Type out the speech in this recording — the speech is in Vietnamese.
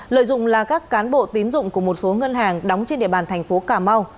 lợi dụng là các cán bộ tín dụng của một số ngân hàng đóng trên địa bàn thành phố cà mau